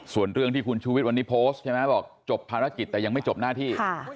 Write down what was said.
ส่วนเรื่องที่คุณชูวิทย์วันนี้โพสต์ใช่ไหมบอกจบภารกิจแต่ยังไม่จบหน้าที่